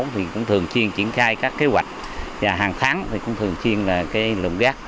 hàng tháng thì cũng thường chiên triển khai các kế hoạch và hàng tháng thì cũng thường chiên là cái lùng gác